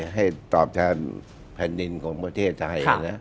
ให้ตอบแทนแผ่นดินของประเทศไทย